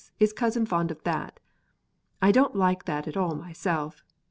or 'Is cousin fond of that?' I don't like that at all myself.